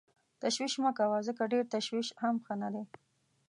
تشویش مه کوه ځکه ډېر تشویش هم ښه نه دی.